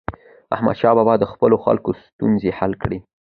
احمدشاه بابا د خپلو خلکو ستونزې حل کړي.